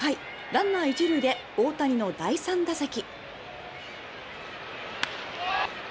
ランナー１塁で大谷の第３打席。